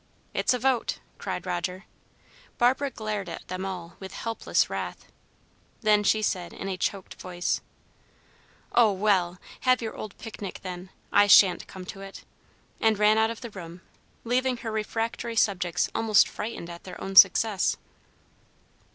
"It's a vote," cried Roger. Barbara glared at them all with helpless wrath; then she said, in a choked voice, "Oh, well! have your old picnic, then. I sha'n't come to it," and ran out of the room, leaving her refractory subjects almost frightened at their own success.